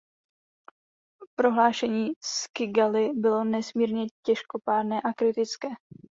Prohlášení z Kigali bylo nesmírně těžkopádné a kritické.